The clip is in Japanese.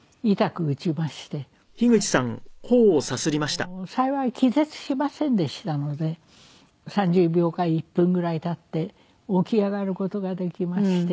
ただ幸い気絶しませんでしたので３０秒か１分ぐらい経って起き上がる事ができまして。